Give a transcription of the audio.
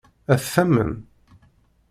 Ad t-tamen?